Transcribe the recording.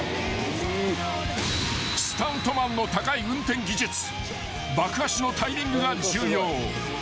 ［スタントマンの高い運転技術爆破師のタイミングが重要］